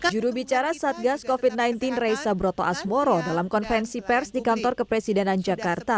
jurubicara satgas covid sembilan belas reza broto asmoro dalam konferensi pers di kantor kepresidenan jakarta